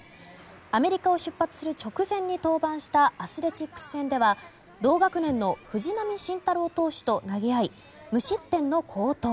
アメリカを出発する直前に登板したアスレチックス戦では同学年の藤浪晋太郎投手と投げ合い無失点の好投。